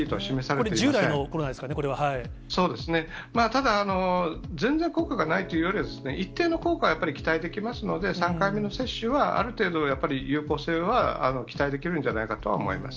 これ、従来のコロナですからそうですね、ただ、全然効果がないというよりは、一定の効果はやっぱり期待できますので、３回目の接種はある程度、やっぱり、有効性は期待できるんじゃないかとは思います。